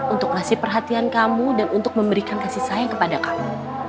untuk ngasih perhatian kamu dan untuk memberikan kasih sayang kepada kamu